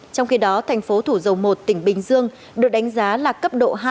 trong khi đó thành phố thủ dầu một tỉnh bình dương được đánh giá là cấp độ hai